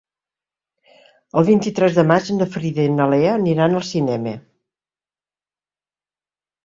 El vint-i-tres de maig na Frida i na Lea aniran al cinema.